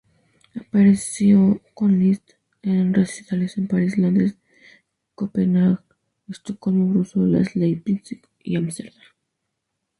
Apareció con Liszt en recitales en París, Londres, Copenhague, Estocolmo, Bruselas, Leipzig y Ámsterdam.